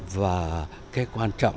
và cái quan trọng